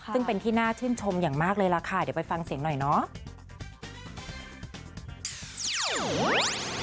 ซึ่งเป็นที่น่าชื่นชมอย่างมากเลยล่ะค่ะเดี๋ยวไปฟังเสียงหน่อยเนาะ